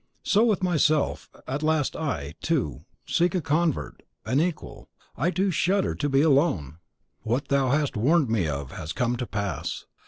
So with myself; at last I, too, seek a convert, an equal, I, too, shudder to be alone! What thou hast warned me of has come to pass.